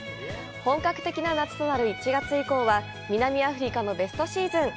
本格的な夏となる１月以降は南アフリカのベストシーズン！